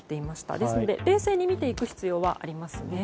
ですので、冷静に見ていく必要はありますね。